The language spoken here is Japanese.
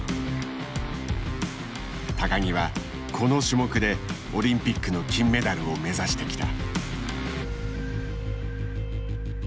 木はこの種目でオリンピックの金メダルを目指してきた。